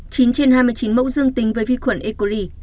chín trên hai mươi chín mẫu dương tính với vi khuẩn e coli